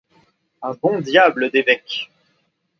Un bon diable d'évêque!